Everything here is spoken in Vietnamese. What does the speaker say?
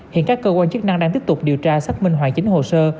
hiện các cơ quan chức năng đang tiếp tục điều tra xác minh hoàn chính hồ sơ